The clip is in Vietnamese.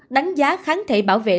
đánh giá kháng thể bảo vệ